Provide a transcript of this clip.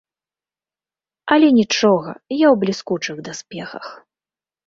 Але нічога, я ў бліскучых даспехах!